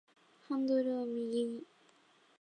ハンドルを右に